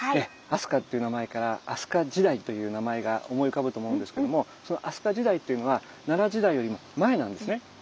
「明日香」っていう名前から飛鳥時代という名前が思い浮かぶと思うんですけども飛鳥時代っていうのは奈良時代よりも前なんですね。